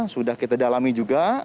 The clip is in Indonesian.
sudah kita dalami juga